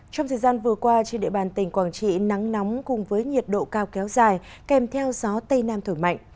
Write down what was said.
trong thời gian vừa qua trên địa bàn tỉnh quảng trị nắng nóng cùng với nhiệt độ cao kéo dài kèm theo gió tây nam thổi mạnh